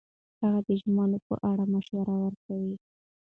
هغه د ژمنو په اړه مشوره ورکړه.